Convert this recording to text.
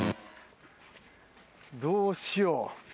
どうしよう。